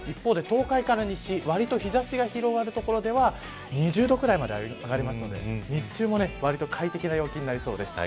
一方、東海から西、日差しが広がる所では２０度ぐらいまで上がるので日中もわりと快適な陽気になりそうです。